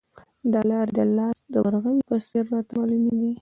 دا لارې د لاس د ورغوي په څېر راته معلومې دي.